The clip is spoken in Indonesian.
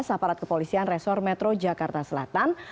aparat kepolisian resor metro jakarta selatan